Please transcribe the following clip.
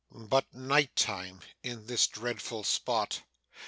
But night time in this dreadful spot!